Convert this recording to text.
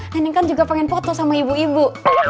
neneng kan juga pengen foto sama ibu ibu